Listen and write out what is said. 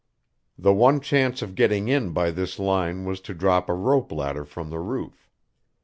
The one chance of getting in by this line was to drop a rope ladder from the roof.